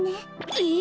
えっ！